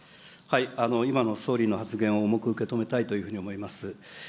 今の総理の発言を重く受け止めたいというふうに思います。